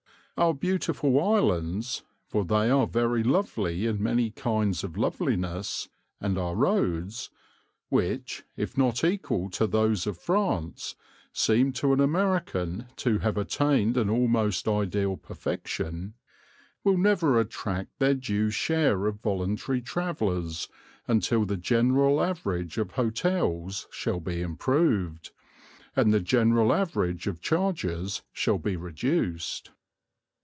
Our beautiful islands, for they are very lovely in many kinds of loveliness, and our roads (which, if not equal to those of France, seem to an American to have attained an almost ideal perfection) will never attract their due share of voluntary travellers until the general average of hotels shall be improved, and the general average of charges shall be reduced.